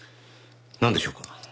なんでしょうか？